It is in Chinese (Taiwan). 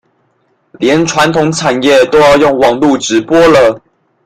連傳統產業都要用網路直播了